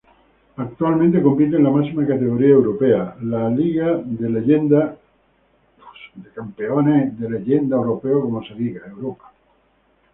Actualmente compite en la máxima categoría Europea: la League of Legends European Championship: Europe.